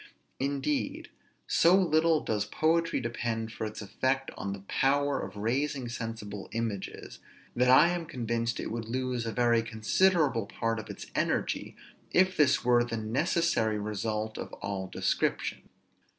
Indeed, so little does poetry depend for its effect on the power of raising sensible images, that I am convinced it would lose a very considerable part of its energy, if this were the necessary result of all description.